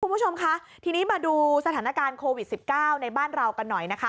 คุณผู้ชมคะทีนี้มาดูสถานการณ์โควิด๑๙ในบ้านเรากันหน่อยนะคะ